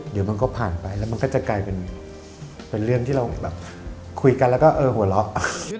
เดี๋ยวมันก็ผ่านไปแล้วมันก็จะกลายเป็นเรื่องที่เราแบบคุยกันแล้วก็เออหัวเราะ